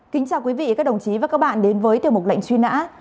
kính chào quý vị các đồng chí và các bạn đến với tiểu mục lệnh truy nã